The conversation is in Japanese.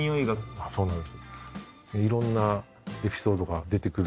あっそうなんですね。